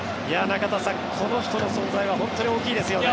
中田さん、この人の存在は本当に大きいですよね。